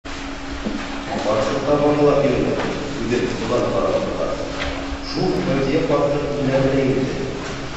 Ҡарсыҡҡа барғылап йөрөнөм, күҙем йылан ҡарағы булғас, шул Фәүзиә ҡарсыҡ имләне лә инде!